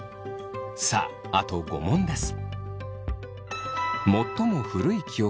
さああと５問です。